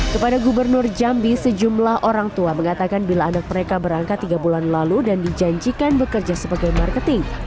kepada gubernur jambi sejumlah orang tua mengatakan bila anak mereka berangkat tiga bulan lalu dan dijanjikan bekerja sebagai marketing